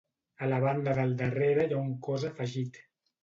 A la banda del darrere hi ha un cos afegit.